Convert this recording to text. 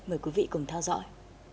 mời quý vị cùng theo dõi